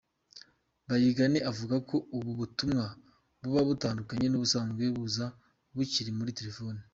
Bayigane avuga ko ubu butumwa buba butandukanye n’ubusanzwe buza bukibika muri telefoni.